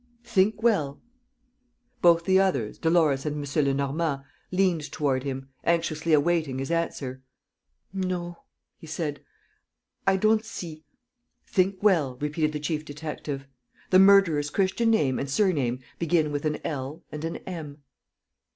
"Think well." Both the others, Dolores and M. Lenormand, leant toward him, anxiously awaiting his answer. "No," he said, "I don't see. ..." "Think well," repeated the chief detective. "The murderer's Christian name and surname begin with an L and an M."